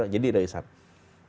jadi dari sana